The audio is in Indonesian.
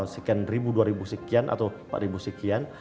sekian ribu dua ribu sekian atau empat ribu sekian